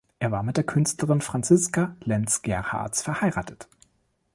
Er war mit der Künstlerin Franziska Lenz-Gerharz verheiratet.